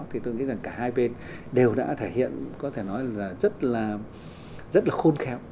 thì tôi nghĩ rằng cả hai bên đều đã thể hiện có thể nói là rất là khôn khéo